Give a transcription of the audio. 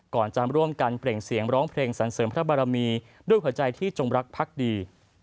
ก่อนจะร่วมกันเปล่งเสียงร้องเพลงสรรเสริมพระบารมีด้วยหัวใจที่จงรักพักดี